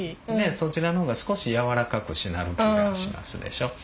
そちらの方が少しやわらかくしなる気がしますでしょう。